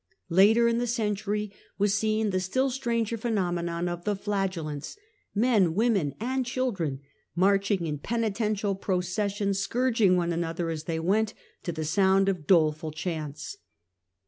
Later in the century was seen the still stranger pheno The menon of the "Flagellants," men, women and children. Flagellants ,•...,. marching m penitential procession, scourging one another as they went, to the sound of doleful chants.